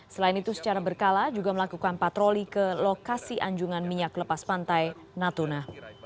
selain itu secara berkala juga melakukan patroli ke lokasi anjungan minyak lepas pantai natuna